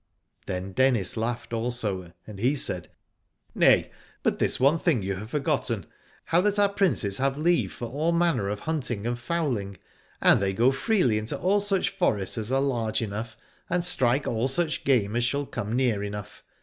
112 Alad ore Then Dennis laughed also, and he said Nay, but this one thing you have forgotten, how that our Princes have leave for all man ner of hunting and fov^^ling : and they go freely into all such forests as are large enough, and strike all such game as shall come near enough.